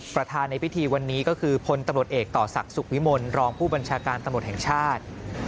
ประธานในพิธีวันนี้ก็คือพลตำรวจเอกต่อศักดิ์สุขวิมลรองผู้บัญชาการตำรวจแห่งชาติ